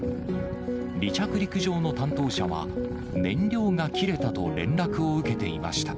離着陸場の担当者は、燃料が切れたと連絡を受けていました。